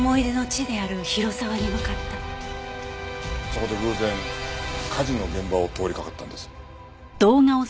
そこで偶然火事の現場を通りかかったんです。